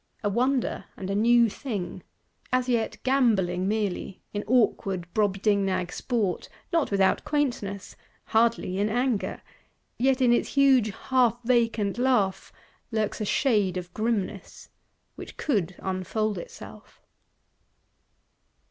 A Wonder and new Thing: as yet gamboling merely, in awkward Brobdingnag sport, not without quaintness; hardly in anger: yet in its huge half vacant laugh lurks a shade of grimness,—which could unfold itself!